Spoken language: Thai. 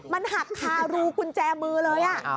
มันหักคารูกุญแจมือเลย